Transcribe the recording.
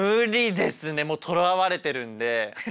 とらわれてるんで。